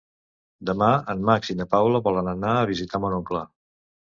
Demà en Max i na Paula volen anar a visitar mon oncle.